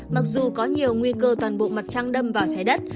mặc dù có nhiều nguy cơ toàn bộ mặt trăng đâm vào trái đất